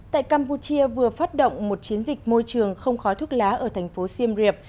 tại campuchia vừa phát động một chiến dịch môi trường không khói thuốc lá ở thành phố siem reap